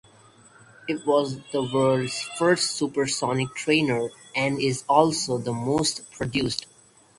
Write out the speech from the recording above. It was the world's first supersonic trainer and is also the most produced.